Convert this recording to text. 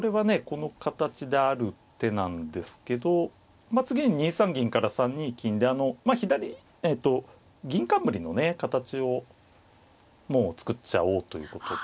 この形である手なんですけど次に２三銀から３二金でまあ左えと銀冠のね形をもう作っちゃおうということで。